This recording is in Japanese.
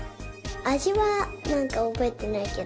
あじはなんかおぼえてないけど。